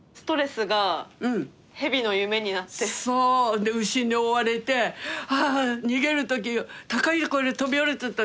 で牛に追われてあぁ逃げる時高いよこれ飛び降りるっつったら。